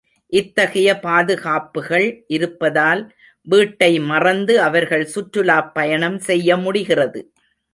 இத்தகைய பாதுகாப்புகள் இருப்பதால் வீட்டை மறந்து அவர்கள் சுற்றுலாப் பயணம் செய்ய முடிகிறது.